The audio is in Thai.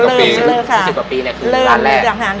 ๒๐กว่าปีเนี่ยคือร้านแรก